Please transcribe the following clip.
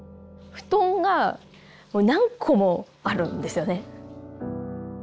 布団が何個もあるんですよね。